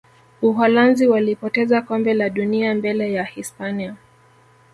uholanzi walipoteza kombe la dunia mbele ya hispania